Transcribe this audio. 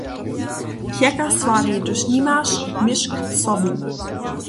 Pjekar swari, hdyž nimaš měšk sobu.